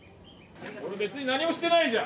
別に何もしてないじゃん。